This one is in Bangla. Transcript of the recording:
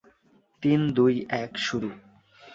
তিন, দুই, এক, শুরু।